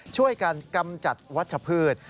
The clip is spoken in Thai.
ช่วยกันกำจัดวัชพืช